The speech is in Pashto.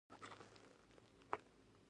عمرا خان یې بندي کړ.